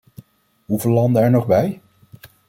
Hoeveel landen er nog bij?